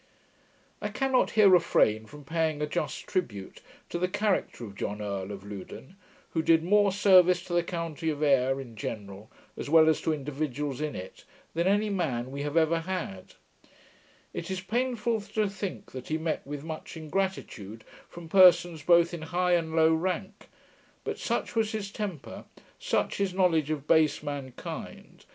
I cannot here refrain from paying a just tribute to the character of John Earl of Loudoun, who did more service to the county of Ayr in general, as well as to individuals in it, than any man we have ever had. It is painful to think that he met with much ingratitude from persons both in high and low rank: but such was his temper, such his knowledge of 'base mankind,' [Footnote: The unwilling gratitude of base mankind.